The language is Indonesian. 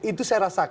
itu saya rasakan